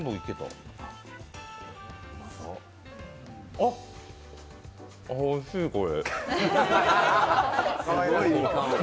あっ、おいしい、これ。